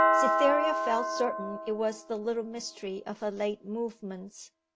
Cytherea felt certain it was the little mystery of her late movements.